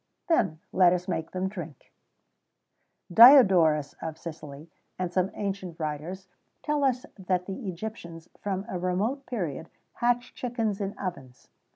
then let us make them drink."[XVII 29] Diodorus of Sicily, and some ancient writers, tell us that the Egyptians, from a remote period, hatched chickens in ovens.